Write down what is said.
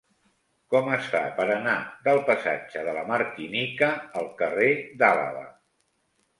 Com es fa per anar del passatge de la Martinica al carrer d'Àlaba?